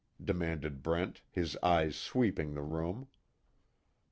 demanded Brent, his eyes sweeping the room.